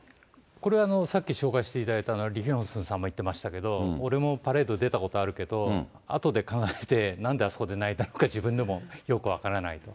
これはさっき紹介していただいたリ・ヒョンスンさんも言ってましたけれども、俺もパレード出たことあるけど、あとで考えて、なんであそこで泣いたのか、自分でもよく分からないと。